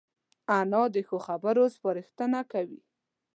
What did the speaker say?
انا د ښو خبرو سپارښتنه کوي